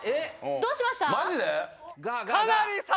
どうしました？